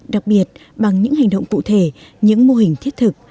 đặc biệt bằng những hành động cụ thể những mô hình thiết thực